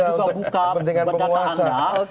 untuk kepentingan penguasa